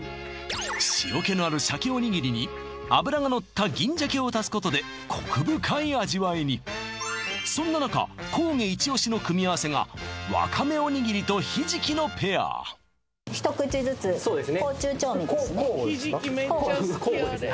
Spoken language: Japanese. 塩気のある鮭おにぎりに脂が乗った銀鮭を足すことでコク深い味わいにそんな中高下イチオシの組み合わせがわかめおにぎりとひじきのペア一口ずつ口中調味ですねそうですね交互ですか？